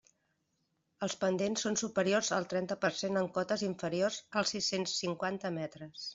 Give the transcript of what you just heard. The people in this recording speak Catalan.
Els pendents són superiors al trenta per cent en cotes inferiors als sis-cents cinquanta metres.